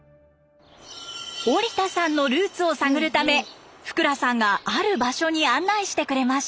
オリタさんのルーツを探るため福羅さんがある場所に案内してくれました。